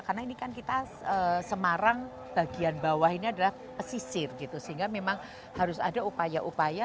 karena ini kan kita semarang bagian bawah ini adalah pesisir gitu sehingga memang harus ada upaya upaya